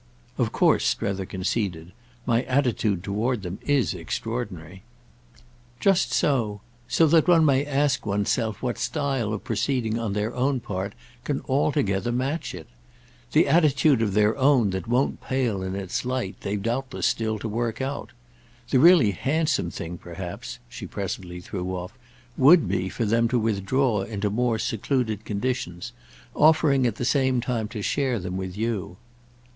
"Of course," Strether conceded, "my attitude toward them is extraordinary." "Just so; so that one may ask one's self what style of proceeding on their own part can altogether match it. The attitude of their own that won't pale in its light they've doubtless still to work out. The really handsome thing perhaps," she presently threw off, "would be for them to withdraw into more secluded conditions, offering at the same time to share them with you."